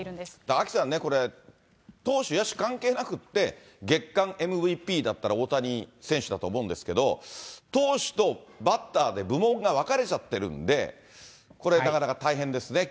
アキさんね、これ、投手、野手関係なくって、月間ＭＶＰだったら、大谷選手だと思うんですけど、投手とバッターで部門が分かれちゃってるんで、これ、なかなか大変ですね。